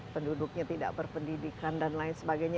penduduknya tidak berpendidikan dan lain sebagainya